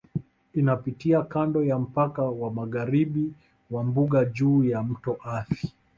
Inapitia kando ya mpaka wa magharibi wa Mbuga juu ya Mto Athi